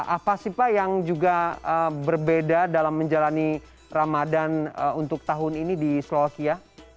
apa sih pak yang juga berbeda dalam menjalani ramadan untuk tahun ini di slovakia